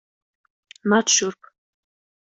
Nāc šurp.